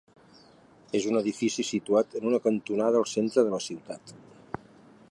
És un edifici situat en una cantonada al centre de la ciutat.